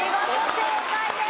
正解です！